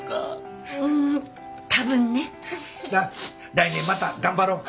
来年また頑張ろう。